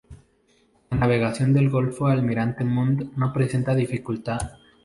La navegación del golfo Almirante Montt no presenta dificulta.